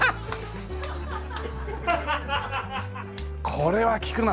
これは効くな。